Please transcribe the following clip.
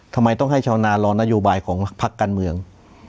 ทำไมต้องให้ชาวนารอนโยบายของพักการเมือง